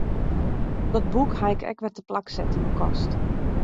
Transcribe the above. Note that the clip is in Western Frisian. Dat boek haw ik wer teplak set yn 'e kast.